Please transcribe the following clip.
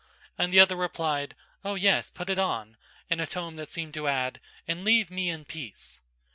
And the other replied, "Oh, yes, put it on," in a tone that seemed to add, "and leave me in peace!"